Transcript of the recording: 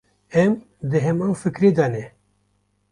Em di heman fikrê de ne.